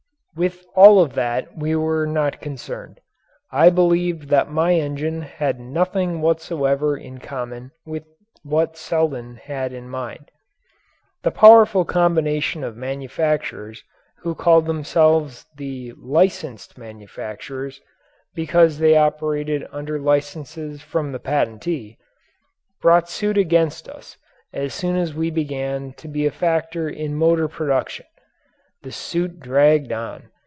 With all of that we were not concerned. I believed that my engine had nothing whatsoever in common with what Selden had in mind. The powerful combination of manufacturers who called themselves the "licensed manufacturers" because they operated under licenses from the patentee, brought suit against us as soon as we began to be a factor in motor production. The suit dragged on.